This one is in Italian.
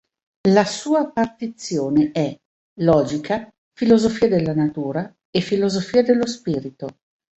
La sua partizione è: Logica, Filosofia della Natura e Filosofia dello Spirito.